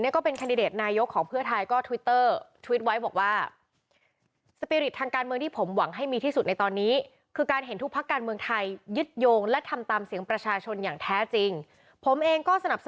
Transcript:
ก็ต้องออกมาย้ำแล้วมากกี่ชั่น